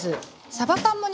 さば缶もね